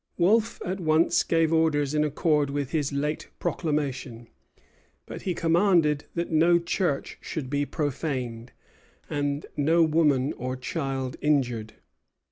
Wolfe at once gave orders in accord with his late proclamation; but he commanded that no church should be profaned, and no woman or child injured.